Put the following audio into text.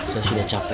saya sudah capek